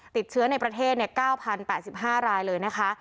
ติดเชื้อในประเทศเนี่ยเก้าพันแปดสิบห้ารายเลยนะคะ